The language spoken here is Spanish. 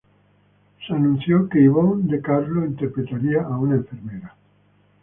Se anunció que Yvonne de Carlo interpretaría a una enfermera.